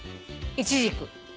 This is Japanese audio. イチジク。